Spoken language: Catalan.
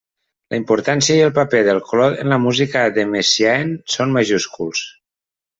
La importància i el paper del color en la música de Messiaen són majúsculs.